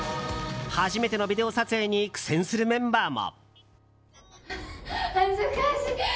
初めてのビデオ撮影に苦戦するメンバーも。